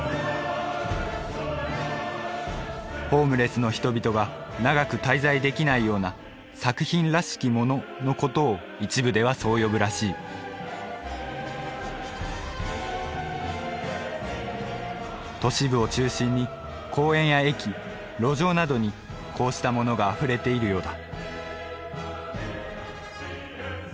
ホームレスの人々が長く滞在できないような「作品らしきもの」のことを一部ではそう呼ぶらしい都市部を中心に公園や駅路上などにこうしたものがあふれているようだ